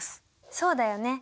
そうだよね。